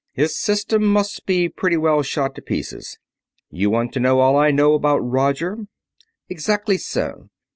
His system must be pretty well shot to pieces. You want to know all I know about Roger?" "Exactly so.